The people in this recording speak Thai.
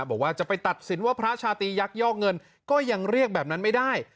บอกว่าจะไปตัดสินว่าพระชาตรียักยอกเงินก็ยังเรียกแบบนั้นไม่ได้